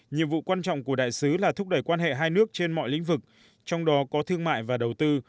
nhiệm vụ quan trọng của đại sứ là thúc đẩy quan hệ hai nước trên mọi lĩnh vực trong đó có thương mại và đầu tư